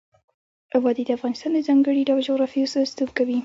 وادي د افغانستان د ځانګړي ډول جغرافیه استازیتوب کوي.